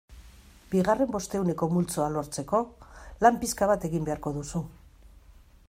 Bigarren bostehuneko multzoa lortzeko lan pixka bat egin beharko duzu.